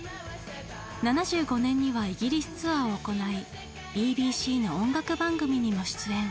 ７５年にはイギリスツアーを行いＢＢＣの音楽番組にも出演。